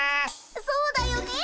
そうだよねえ。